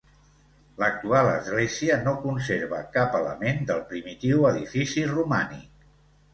L'actual església no conserva cap element del primitiu edifici romànic.